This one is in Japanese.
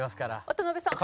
渡辺さん。